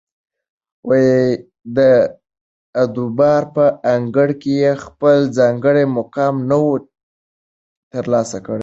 او ددربار په انګړ کي یې خپل ځانګړی مقام نه وو تر لاسه کړی